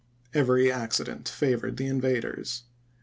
Every accident favored the invaders.